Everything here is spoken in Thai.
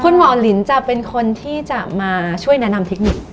คุณหมอลินจะเป็นคนที่จะมาช่วยแนะนำเทคนิค